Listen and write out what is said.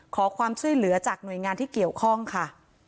ขอความช่วยเหลือจากหน่วยงานที่เกี่ยวข้องค่ะ